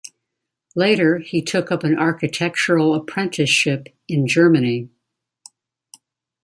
Later he took up an architectural apprenticeship in Germany.